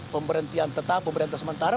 pemberhentian tetap pemberhentian sementara